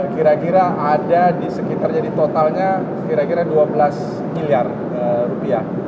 kira kira ada di sekitarnya di totalnya kira kira dua belas bilyar rupiah